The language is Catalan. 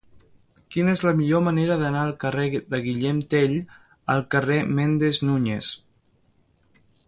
Quina és la millor manera d'anar del carrer de Guillem Tell al carrer de Méndez Núñez?